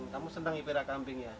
kamu senang ipera kambing ya